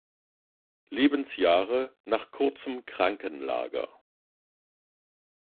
Lebensjahre, nach kurzem Krankenlager.